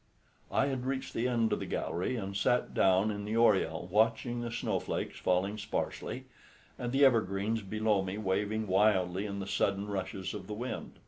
I had reached the end of the gallery and sat down in the oriel watching the snow flakes falling sparsely, and the evergreens below me waving wildly in the sudden rushes of the wind.